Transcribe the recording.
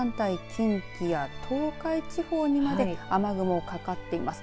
近畿や東海地方にまで雨雲、かかっています。